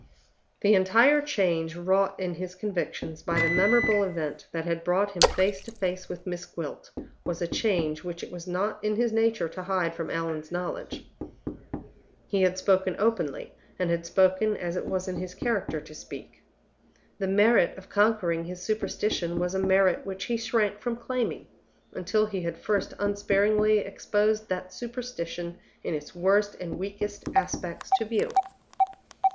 The entire change wrought in his convictions by the memorable event that had brought him face to face with Miss Gwilt was a change which it was not in his nature to hide from Allan's knowledge. He had spoken openly, and had spoken as it was in his character to speak. The merit of conquering his superstition was a merit which he shrank from claiming, until he had first unsparingly exposed that superstition in its worst and weakest aspects to view.